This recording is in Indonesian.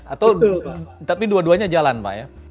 atau tapi dua duanya jalan pak ya